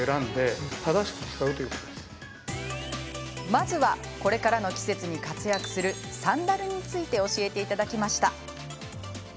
まずは、これからの季節に活躍するサンダルについて教えていただきました。